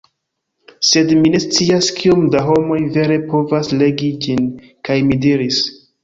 Sed mi ne scias kiom da homoj vere povas regi ĝin." kaj mi diris: